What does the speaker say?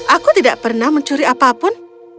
aku tidak pernah mencuri apapun